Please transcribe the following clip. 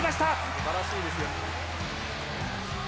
すばらしいですよ。